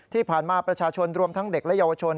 ที่ผ่านมาประชาชนรวมทั้งเด็กและเยาวชน